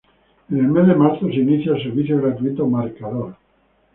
En el mes de marzo se inicia el servicio gratuito "Marcador".